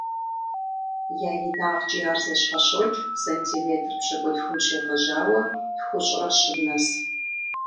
Я инагъкIи ахэр зэщхьэщокI сантиметр пщыкIутхум щегъэжьауэ тхущIрэ щым нэс.